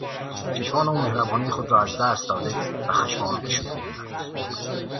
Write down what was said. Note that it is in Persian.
چشمان او مهربانی خود را از دست داده و خشم آلود شده بودند.